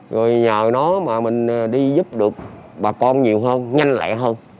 rồi nhờ nó mà mình đi giúp được bà con nhiều hơn nhanh lại hơn